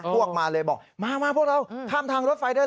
พวกมาเลยบอกมาพวกเราข้ามทางรถไฟเรื่อย